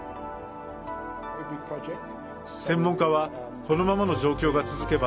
専門家はこのままの状況が続けば